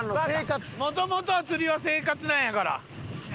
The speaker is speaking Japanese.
もともとは釣りは生活なんやから。